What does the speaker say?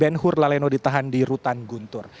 denhur laleno ditahan di rutan guntur